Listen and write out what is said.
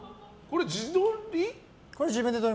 これ、自撮り？